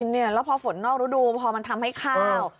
แล้วพอฝนนอกฤดูพอมันทำให้ข้าว